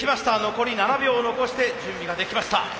残り７秒を残して準備ができました。